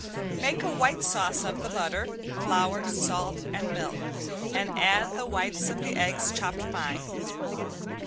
Make a white sauce of the butter, flour, salt and milk, and add the whites of the eggs chopped fine.